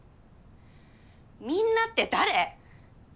みんなって誰！？